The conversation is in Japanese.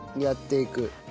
やっていく。